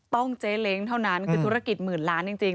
เจ๊เล้งเท่านั้นคือธุรกิจหมื่นล้านจริง